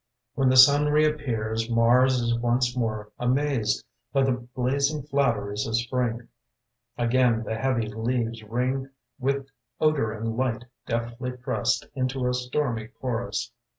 When the sun reappears Mars is once more amazed By the blazing flatteries of Spring. Again the heavy leaves ring With odor and light deftly pressed Into a stormy chorus.